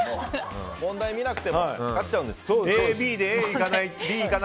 問題見なくても分かっちゃうんです。